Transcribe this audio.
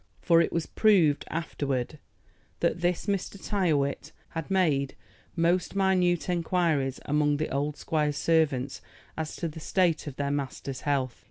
For it was proved afterward that this Mr. Tyrrwhit had made most minute inquiries among the old squire's servants as to the state of their master's health.